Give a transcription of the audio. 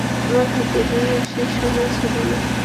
আমার হাতে বেশি সময় ছিল না।